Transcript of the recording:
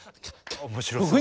面白そう。